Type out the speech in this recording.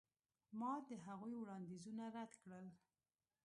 ما د هغوی وړاندیزونه رد کړل.